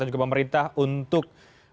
dan juga pemerintah untuk